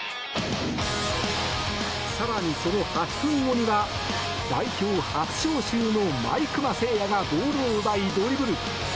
更にその８分後には代表初招集の毎熊晟矢がボールを奪いドリブル。